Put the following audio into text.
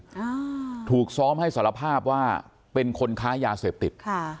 อ่าถูกซ้อมให้สารภาพว่าเป็นคนค้ายาเสพติดค่ะ